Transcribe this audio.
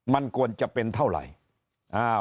มันควรจะเป็นเท่าไหร่